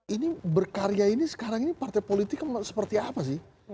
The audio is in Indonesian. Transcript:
ini berkarya ini sekarang ini partai politik seperti apa sih